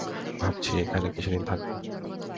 ভাবছি এখানে কিছুদিন থাকবো।